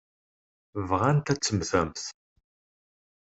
Bɣant ad temmtemt.